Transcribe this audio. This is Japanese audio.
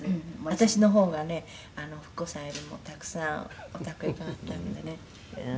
私の方がねふく子さんよりもたくさんお宅へ伺ってるんでね」